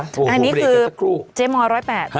อันนี้คือเจ๊มอย๑๐๘